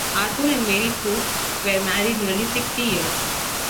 Arthur and Mary Foote were married nearly sixty years.